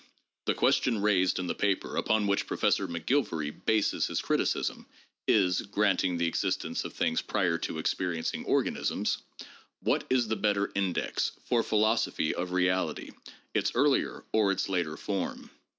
The question raised in the paper upon which Professor McGilvary bases his criticism is (granting the existence of things prior to ex periencing organisms), " What is the better index, for philosophy, of reality: its earlier or its later form?"